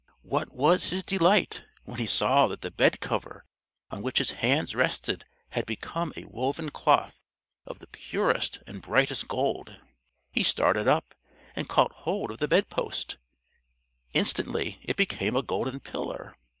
What was his delight when he saw that the bedcover on which his hands rested had become a woven cloth of the purest and brightest gold! He started up and caught hold of the bed post instantly it became a golden pillar.